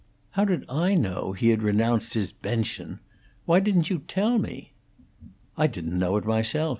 "How did I know he had renounced his 'bension'? Why didn't you tell me?" "I didn't know it myself.